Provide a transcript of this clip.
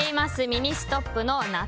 ミニストップの夏